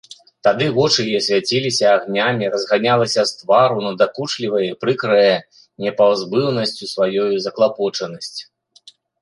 Тады вочы яе свяціліся агнямі, разганялася з твару надакучлівая і прыкрая непазбыўнасцю сваёю заклапочанасць.